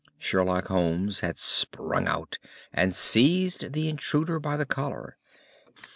Sherlock Holmes had sprung out and seized the intruder by the collar.